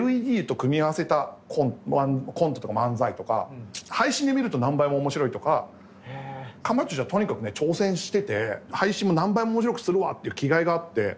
ＬＥＤと組み合わせたコントとか漫才とか配信で見ると何倍も面白いとかかまいたちはとにかくね挑戦してて配信も何倍も面白くするわっていう気概があって